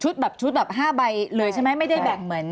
แบบชุดแบบ๕ใบเลยใช่ไหมไม่ได้แบ่งเหมือน